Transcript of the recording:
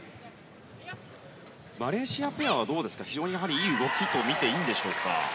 マレーシアペアは非常にいい動きとみていいんでしょうか？